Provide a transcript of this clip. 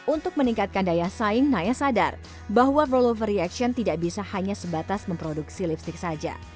untuk meningkatkan daya saing naya sadar bahwa rolover reaction tidak bisa hanya sebatas memproduksi lipstick saja